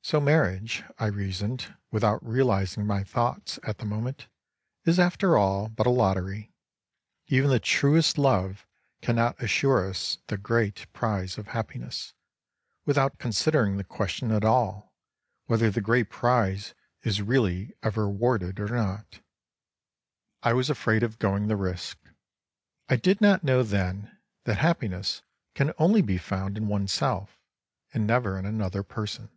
So marriage, I reasoned, with out realizing my thoughts at the moment, is after all but a lottery ; even the truest love cannot assure us the great prize of happiness, without considering the question at alb whether the great prize is really ever awarded or not. I was afraid of going the risk. I did not know then that happiness can only be found in oneself and never in another person.